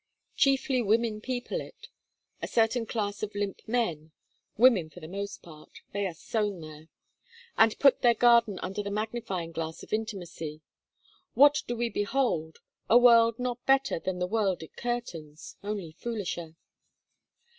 Chiefly women people it: a certain class of limp men; women for the most part: they are sown there. And put their garden under the magnifying glass of intimacy, what do we behold? A world not better than the world it curtains, only foolisher.